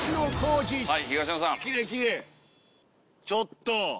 ちょっと！